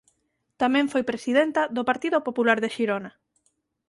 Tamén foi presidenta do Partido Popular de Xirona.